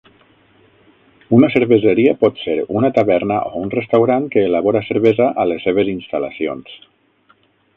Una cerveseria pot ser una taverna o un restaurant que elabora cervesa a les seves instal·lacions.